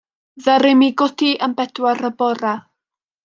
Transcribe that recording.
Ddaru mi godi am bedwar y bore.